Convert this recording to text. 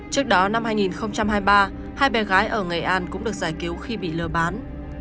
trước đó năm hai nghìn hai mươi ba hai bé gái ở nghệ an cũng được giải cứu khi bị lừa bán